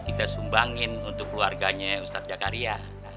kita sumbangin untuk keluarganya ustadz jakaria